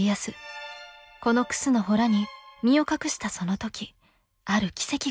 この楠の洞に身を隠したその時ある奇跡が起きたといいます。